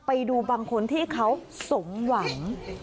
ไปดูบางคนที่เขาสมหวัง